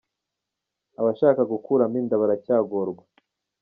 Abashaka gukuramo inda baracyagorwa